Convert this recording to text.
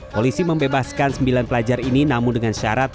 polisi membebaskan sembilan pelajar ini namun dengan syarat